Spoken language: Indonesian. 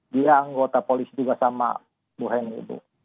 dia anggota polisi juga sama bu heni bu